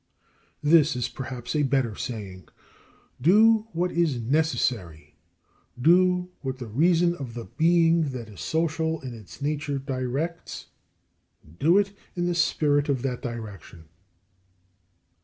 This is perhaps a better saying, "Do what is necessary, do what the reason of the being that is social in its nature directs, and do it in the spirit of that direction."